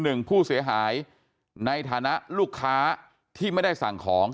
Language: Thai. หนึ่งผู้เสียหายในฐานะลูกค้าที่ไม่ได้สั่งของ